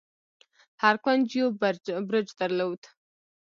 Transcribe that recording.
هر کونج يو برج درلود.